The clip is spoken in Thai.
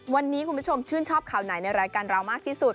วันนี้คุณผู้ชมชื่นชอบข่าวไหนในรายการเรามากที่สุด